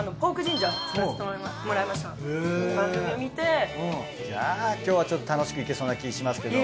じゃあ今日はちょっと楽しくいけそうな気しますけども。